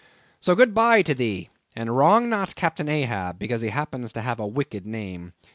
So good bye to thee—and wrong not Captain Ahab, because he happens to have a wicked name.